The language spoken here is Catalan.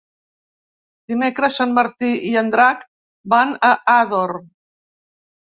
Dimecres en Martí i en Drac van a Ador.